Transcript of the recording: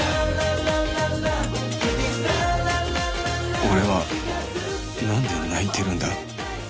俺はなんで泣いてるんだ？